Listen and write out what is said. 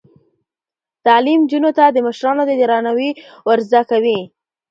تعلیم نجونو ته د مشرانو درناوی ور زده کوي.